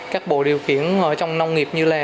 các bộ điều khiển trong nông nghiệp như